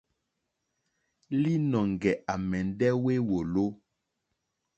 Līnɔ̄ŋgɛ̄ à mɛ̀ndɛ́ wé wòló.